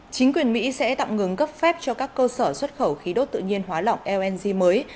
chính quyền mỹ sẽ tạm ngừng cấp phép cho các cơ sở xuất khẩu khí đốt tự nhiên hóa lỏng lng mới